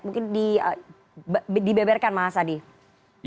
mungkin dibeberkan mas adi